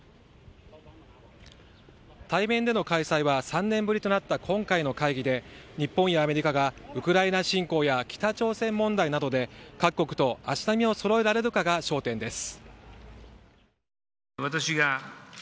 対面での開催は３年ぶりとなった今回の会議で日本やアメリカがウクライナ侵攻や北朝鮮問題などで各国と足並みを揃えられるかが焦点です。